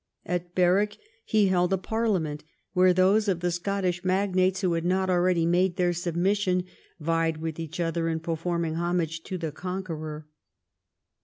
At Berwick he held a parliament, where those of the Scottish magnates who had not already made their submission vied with each other in performing homage to the conqueror.